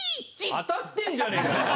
当たってんじゃねえかもう！